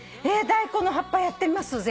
大根の葉っぱやってみます